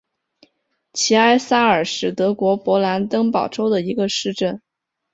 齐埃萨尔是德国勃兰登堡州的一个市镇。